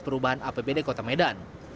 perubahan apbd kota medan